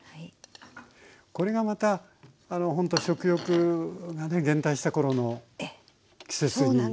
これがまたほんと食欲がね減退した頃の季節に。